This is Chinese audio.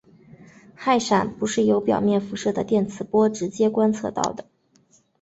氦闪不是由表面辐射的电磁波直接观测到的。